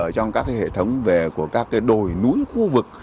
trong các hệ thống về của các đồi núi khu vực